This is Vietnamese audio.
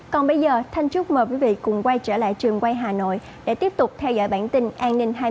còn bây giờ thanh chúc mời quý vị cùng quay trở lại trường quay hà nội để tiếp tục theo dõi bản tin an ninh hai mươi bốn h